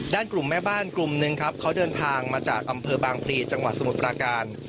กลุ่มแม่บ้านกลุ่มหนึ่งครับเขาเดินทางมาจากอำเภอบางพลีจังหวัดสมุทรปราการ